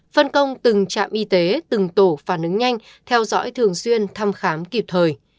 phân công từng trạm y tế từng tổ phản ứng nhanh theo dõi thường xuyên thăm khám kịp thời